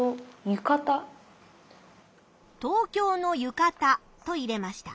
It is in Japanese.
「東京のゆかた」と入れました。